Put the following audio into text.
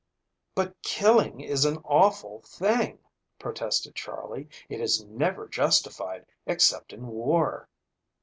"But killing is an awful thing," protested Charley. "It is never justified except in war."